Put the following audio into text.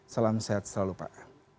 salam sehat selalu pak